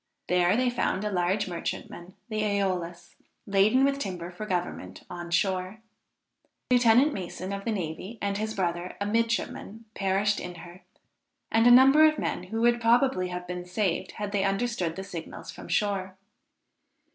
There they found a large merchantman, the Æolus, laden with timber for government, on shore. Lieutenant Mason of the navy, and his brother, a midshipman, perished in her, and a number of men who would probably have been saved had they understood the signals from shore.